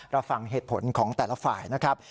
เราฟังเหตุผลของแต่ละฝ่ายนะครับ